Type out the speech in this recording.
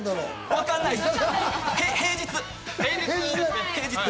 わからないです。